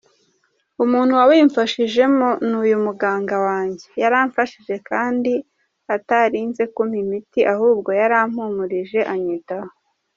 Umuntu wabimfashijemo ni uyu muganga wanjye, yaramfashije kandi atarinze kumpa imiti, ahubwo yarampumurije anyitaho.